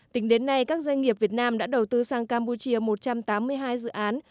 tính đến nay các doanh nghiệp việt nam đã đầu tư sang campuchia một trăm tám mươi hai dự án